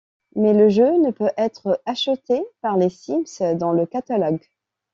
Mais le jeu ne peut être acheté par les Sims dans le catalogue.